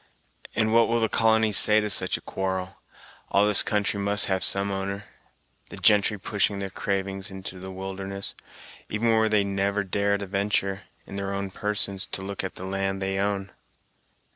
"And what will the colony say to such a quarrel all this country must have some owner, the gentry pushing their cravings into the wilderness, even where they never dare to ventur', in their own persons, to look at the land they own."